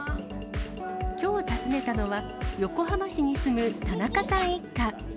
きょう訪ねたのは、横浜市に住む田中さん一家。